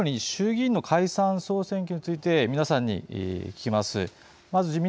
最後に衆議院の解散・総選挙について皆さんに聞きます。